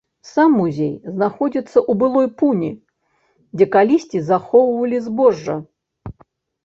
Сам музей знаходзіцца ў былой пуні, дзе калісьці захоўвалі збожжа.